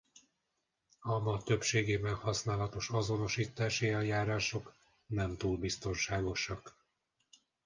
A ma többségében használatos azonosítási eljárások nem túl biztonságosak.